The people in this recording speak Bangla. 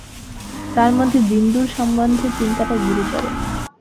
তার মধ্যে বিন্দুর সম্বন্ধে চিন্তাটা গুরুতর।